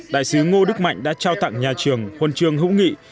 đại sứ ngô đức mạnh đã trao tặng nhà trường hôn trường hữu nghị